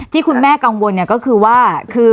ที่คุณแม่กังวลก็คือว่า